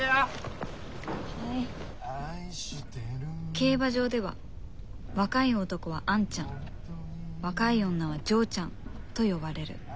競馬場では若い男はアンちゃん若い女は嬢ちゃんと呼ばれる。